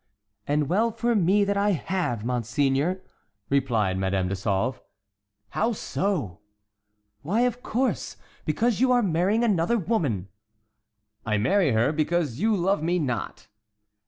"And well for me that I have, monseigneur," replied Madame de Sauve. "How so?" "Why, of course, because you are marrying another woman!" "I marry her because you love me not."